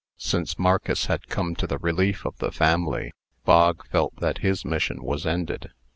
Since Marcus had come to the relief of the family, Bog felt that his mission was ended.